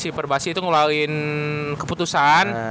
si perbahasi itu ngeluarin keputusan